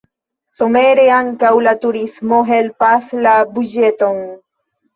Somere ankaŭ la turismo helpas la buĝeton.